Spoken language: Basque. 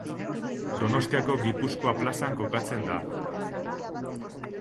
Donostiako Gipuzkoa plazan kokatzen da.